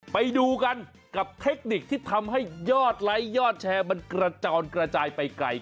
ไปดูกันกับเทคนิคที่ทำให้ยอดไลค์ยอดแชร์มันกระจอนกระจายไปไกล